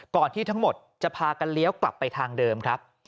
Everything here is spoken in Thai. ที่ทั้งหมดจะพากันเลี้ยวกลับไปทางเดิมครับ